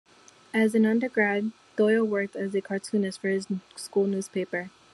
As an undergrad Doyle worked as a cartoonist for his school newspaper.